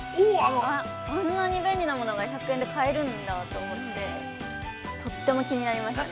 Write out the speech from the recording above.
あんなに便利なものが１００円で買えるんだと思って、とっても気になりました。